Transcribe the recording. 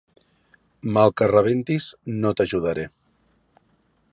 Mal que rebentis, no t'ajudaré.